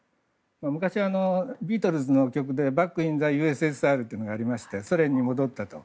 昔は、ビートルズの曲で「バックインザＵＳＳＲ」という曲がありましたがソ連に戻ったと。